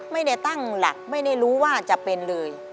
ไม่ได้ตั้งหลักไม่ได้รู้ว่าจะเป็นเลย